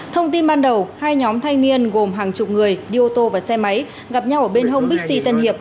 thông tin ban đầu hai nhóm thanh niên gồm hàng chục người đi ô tô và xe máy gặp nhau ở bên hông bích xi tân hiệp